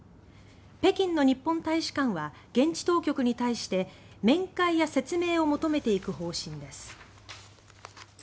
北京の日本大使館は現地当局に対して面会や説明を求めていく方針です。